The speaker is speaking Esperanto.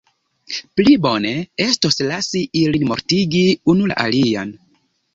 Pli bone estos lasi ilin mortigi unu la alian.